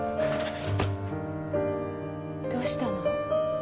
どうしたの？